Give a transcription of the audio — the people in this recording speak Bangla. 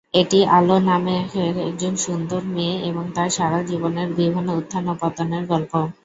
এটি আলো নামের একজন সুন্দর মেয়ে এবং তার সারা জীবনের বিভিন্ন উত্থান ও পতনের গল্প।